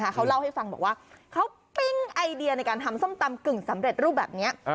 เขาเล่าให้ฟังบอกว่าเขาปิ้งไอเดียในการทำส้มตำกึ่งสำเร็จรูปแบบนี้